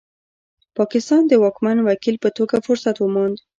پاکستان د واکمن وکیل په توګه فرصت وموند.